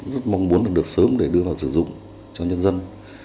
rất mong muốn được sớm để đưa vào sử dụng cho nhân dân